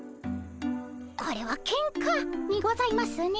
これはけんかにございますね。